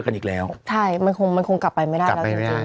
ใช่มันคงกลับไปไม่ได้แล้วจริง